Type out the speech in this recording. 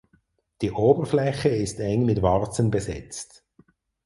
Die Oberfläche ist eng mit Warzen besetzt.